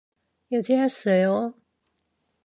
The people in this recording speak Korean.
여자였어요.